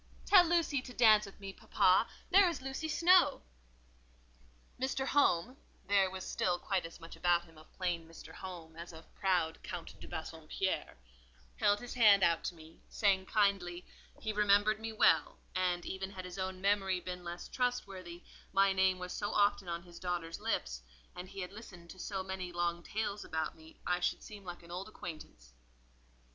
"Tell Lucy to dance with me, papa; there is Lucy Snowe." Mr. Home (there was still quite as much about him of plain Mr. Home as of proud Count de Bassompierre) held his hand out to me, saying kindly, "he remembered me well; and, even had his own memory been less trustworthy, my name was so often on his daughter's lips, and he had listened to so many long tales about me, I should seem like an old acquaintance."